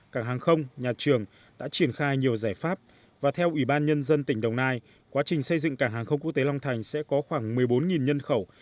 cảng hàng không nhà trường đã triển khai nhiều giải pháp và theo ủy ban nhân dân tỉnh đồng nai quá trình xây dựng cảng hàng không quốc tế long thành sẽ có khoảng một mươi bốn nhân khẩu